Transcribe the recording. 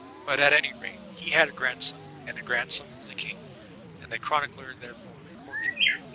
But at any rate, he had a grandson, and the grandson was a king, and the chronicler therefore recorded him.